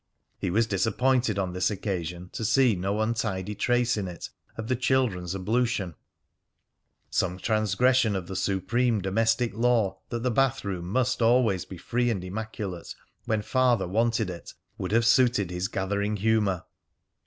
He was disappointed on this occasion to see no untidy trace in it of the children's ablution; some transgression of the supreme domestic law that the bathroom must always be free and immaculate when Father wanted it would have suited his gathering humour.